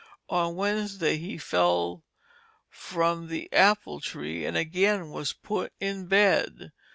On Wednesday he fell from the apple tree, and again was put in bed.